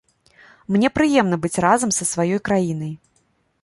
Мне прыемна быць разам са сваёй краінай.